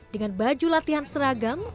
dengan baju latihan seragam